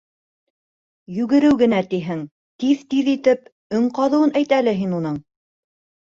— Йүгереү генә тиһең, тиҙ-тиҙ итеп өң ҡаҙыуын әйт әле һин уның!